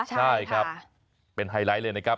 ใช่ครับเป็นไฮไลท์เลยนะครับ